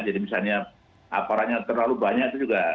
jadi misalnya aporanya terlalu banyak itu juga